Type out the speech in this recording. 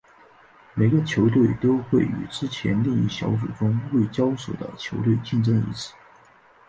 每个球队都会与之前另一小组中未交手的球队竞争一次。